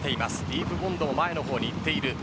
ディープボンドも前の方に行っている。